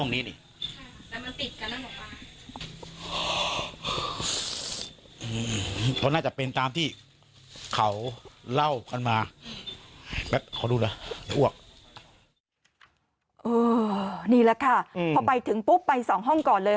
นี่แหละค่ะพอไปถึงปุ๊บไป๒ห้องก่อนเลย